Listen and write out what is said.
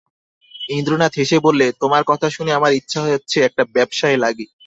ইন্দ্রনাথ হেসে বললে, তোমার কথা শুনে আমার ইচ্ছে হচ্ছে একটা ব্যবসায়ে লাগি।